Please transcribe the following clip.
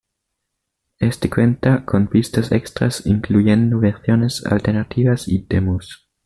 Este cuenta con pistas extras, incluyendo versiones alternativas y demos.